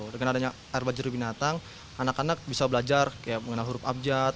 dengan adanya ar belajar binatang anak anak bisa belajar mengenal huruf abjad